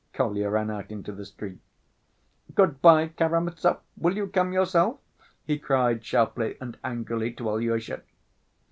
Kolya ran out into the street. "Good‐by, Karamazov? Will you come yourself?" he cried sharply and angrily to Alyosha.